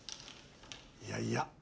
いやいや。